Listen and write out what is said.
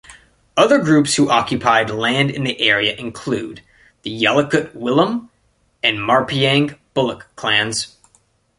Other groups who occupied land in the area include the Yalukit-Willam and Marpeang-Bulluk clans.